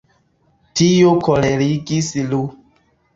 Tio kolerigis Lu.